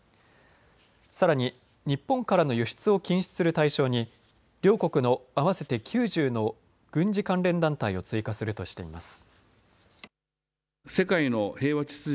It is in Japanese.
さらに日本からの輸出を禁止する対象に両国の合わせて９０の軍事関連団体を追加するとしています。